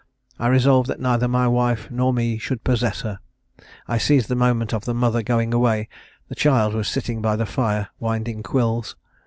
I resolved that neither my wife nor me should possess her. I seized the moment of the mother going away; the child was sitting by the fire winding quills.